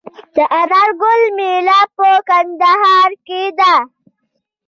د انار ګل میله په کندهار کې ده.